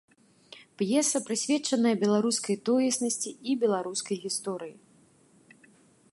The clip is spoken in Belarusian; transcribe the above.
П'еса прысвечаная беларускай тоеснасці і беларускай гісторыі.